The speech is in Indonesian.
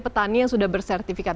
petani yang sudah bersertifikat